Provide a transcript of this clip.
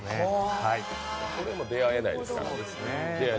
これは出会えないですね。